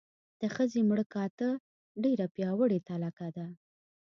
د ښځې مړه کاته ډېره پیاوړې تلکه ده.